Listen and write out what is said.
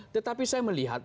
tetapi saya melihat